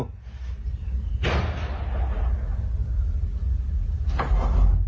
ห้า